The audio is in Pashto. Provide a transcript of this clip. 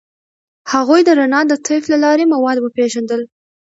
هغوی د رڼا د طیف له لارې مواد وپیژندل.